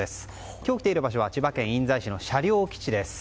今日来ている場所は千葉県印西市の車両基地です。